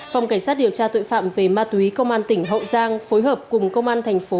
một mươi hai phòng cảnh sát điều tra tội phạm về ma túy công an tỉnh hậu giang phối hợp cùng công an thành phố